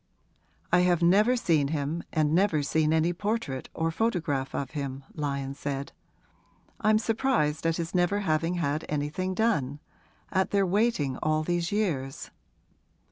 'I have never seen him and never seen any portrait or photograph of him,' Lyon said. 'I'm surprised at his never having had anything done at their waiting all these years.'